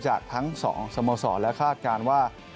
จากทั้ง๒สโมสรและคาดการณ์ว่า